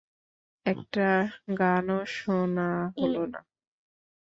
একটা গানও শোনা হল না।